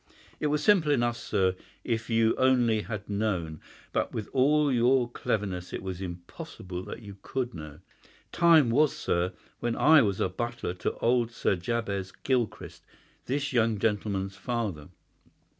"It was simple enough, sir, if you only had known; but with all your cleverness it was impossible that you could know. Time was, sir, when I was butler to old Sir Jabez Gilchrist, this young gentleman's father.